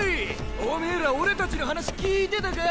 おめぇら俺たちの話聞いてたか？